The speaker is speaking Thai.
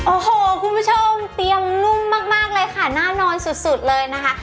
โอ้โหคุณผู้ชมเตียงนุ่มมากเลยค่ะน่านอนสุดเลยนะคะ